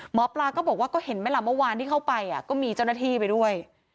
หมอปลาก็บอกว่าก็เห็นไหมล่ะเมื่อวานที่เข้าไปก็มีเจ้าหน้าที่ไปด้วย